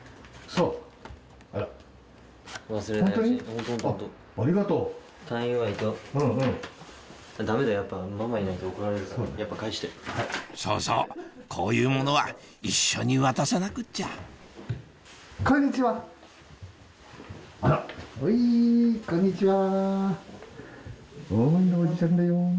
そうそうこういうものは一緒に渡さなくっちゃあらはいこんにちは。